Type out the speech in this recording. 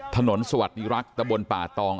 สวัสดีรักษ์ตะบนป่าตอง